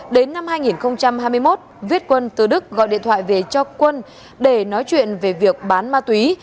đến năm hai nghìn hai mươi một viết quân từ đức gọi điện thoại về cho quân để nói chuyện về việc bán ma túy